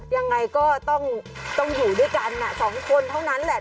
ยังไงก็ต้องอยู่ด้วยกันสองคนเท่านั้นแหละ